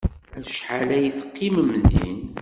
Acḥal ay teqqimem din?